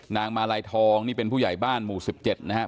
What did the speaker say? มาลัยทองนี่เป็นผู้ใหญ่บ้านหมู่๑๗นะครับ